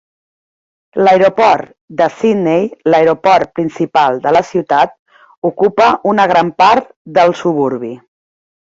L'aeroport de Sydney, l'aeroport principal de la ciutat, ocupa una gran part del suburbi.